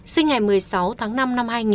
sinh ngày một mươi sáu tháng năm năm hai nghìn